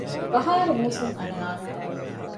ބަހާރު މޫސުން އަންނާނެ